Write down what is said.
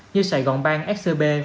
như sài gòn bang scb